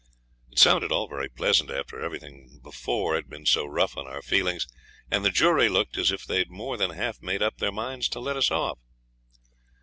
It sounded all very pleasant after everything before had been so rough on our feelings, and the jury looked as if they'd more than half made up their minds to let us off.